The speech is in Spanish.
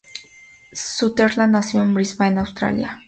Sutherland nació en Brisbane, Australia.